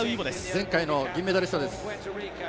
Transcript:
前回の銀メダリストです。